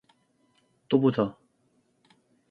또 보자.